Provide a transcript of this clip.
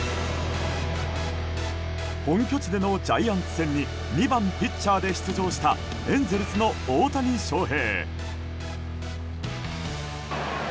本拠地でのジャイアンツ戦に２番ピッチャーで出場したエンゼルスの大谷翔平。